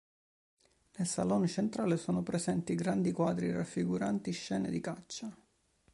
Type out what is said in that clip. Nel salone centrale sono presenti grandi quadri raffiguranti scene di caccia.